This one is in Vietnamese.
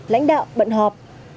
lãnh đạo bận họp